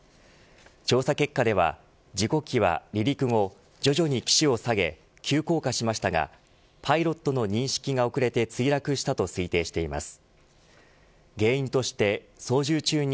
調査結果では事故機は離陸後徐々に機首を下げ急降下しましたがパイロットの認識が遅れて墜落したと推定しています。